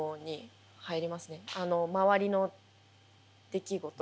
あの周りの出来事。